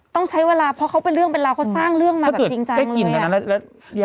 ต้องใช้เวลาเพราะเขาเป็นเรื่องเป็นราวเขาสร้างเรื่องมาจริงจังเลยอ่ะ